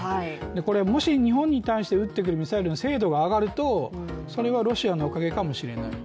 これもし日本に対して撃ってくるミサイルの精度が上がるとそれはロシアのおかげかもしれない。